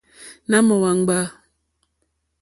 Nà mò wàŋɡbá.